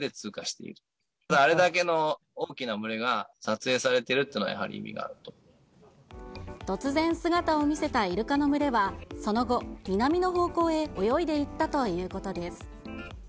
ただ、あれだけの大きな群れが撮影されているというのは、やはり突然姿を見せたイルカの群れは、その後、南の方向へ泳いでいったということです。